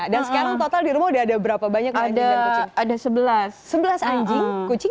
dan sekarang total di rumah udah ada berapa banyak anjing dan kucing